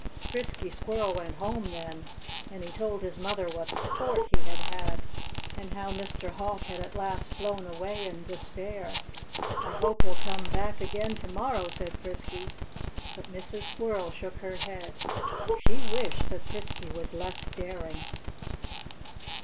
Frisky Squirrel went home then; and he told his mother what sport he had had, and how Mr. Hawk had at last flown away in despair. "I hope he'll come back again to morrow," said Frisky. But Mrs. Squirrel shook her head. She wished that Frisky was less daring.